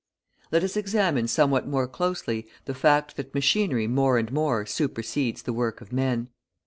Let us examine somewhat more closely the fact that machinery more and more supersedes the work of men.